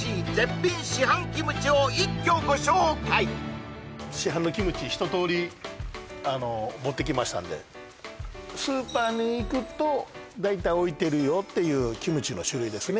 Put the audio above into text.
厳選市販のキムチひととおり持ってきましたんでスーパーに行くと大体置いてるよっていうキムチの種類ですね